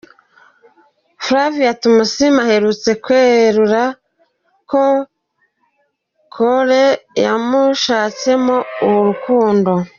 Flavia Tumusiime aherutse kwerura ko J Cole yamushatseho urukundo.